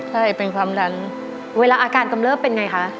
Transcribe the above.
ใช่เป็นความดันเวลาอาการกำเริบเป็นไงคะ